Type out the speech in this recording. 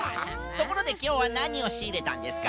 ところできょうはなにをしいれたんですか？